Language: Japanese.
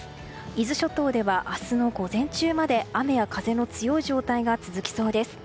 伊豆諸島では明日の午前中まで雨や風の強い状態が続きそうです。